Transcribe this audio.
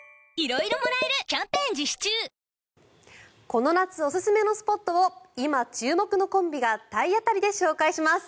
この夏おすすめのスポットを今注目のコンビが体当たりで紹介します。